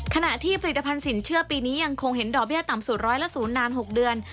ขณะที่ผลิตภัณฑ์สินเชื่อปีนี้ยังคงเห็นดอกเบี้ยต่ำสุดร้อยละ๐นาน๖เดือน